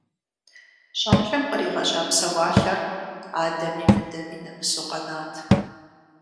ЩӀалэм къригъэжьа псэуалъэр адэми мыдэми нэмысу къэнат.